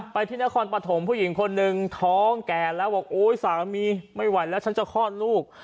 ที่นครปฐมผู้หญิงคนหนึ่งท้องแก่แล้วบอกโอ๊ยสามีไม่ไหวแล้วฉันจะคลอดลูก